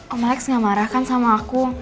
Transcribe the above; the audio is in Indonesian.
om alex gak marah kan sama aku